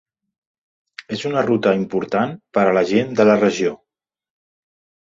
És una ruta important per a la gent de la regió.